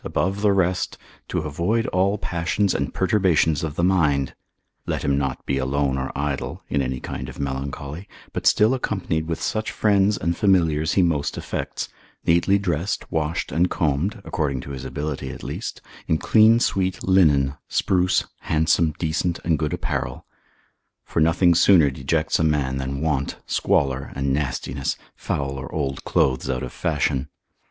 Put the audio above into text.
44, above the rest, to avoid all passions and perturbations of the mind. Let him not be alone or idle (in any kind of melancholy), but still accompanied with such friends and familiars he most affects, neatly dressed, washed, and combed, according to his ability at least, in clean sweet linen, spruce, handsome, decent, and good apparel; for nothing sooner dejects a man than want, squalor, and nastiness, foul, or old clothes out of fashion.